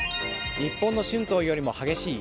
日本の春闘よりも激しい？